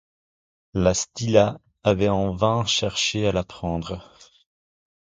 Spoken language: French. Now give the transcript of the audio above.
La Stilla avait en vain cherché à l’apprendre.